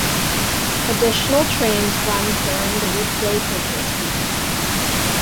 Additional trains run during the weekday business peaks.